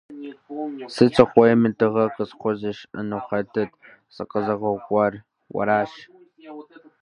Сыт сыхуейми тыгъэ къысхуэзыщӀыну хэтыт сыкъэзыгъэгугъар? Уэращ!